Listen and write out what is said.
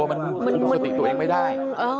มันดูสติตัวเองไม่ได้